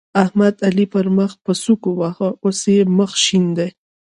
احمد؛ علي پر مخ په سوک وواهه ـ اوس يې مخ شين دی.